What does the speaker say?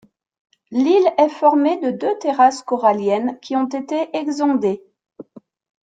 L'île est formée de deux terrasses coralliennes qui ont été exondées.